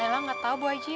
emang gak tau bu aji